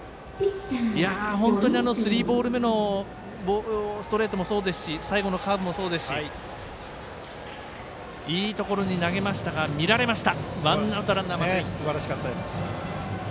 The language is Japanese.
本当にスリーボール目のボールもそうですし最後のカーブもそうですしいいところに投げましたが見られました。